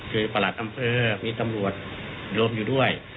คือประหลัดอำเภอมีตำรวจรวมอยู่ด้วย